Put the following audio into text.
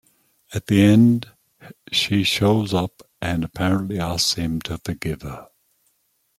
At the end, she shows up and apparently asks him to forgive her.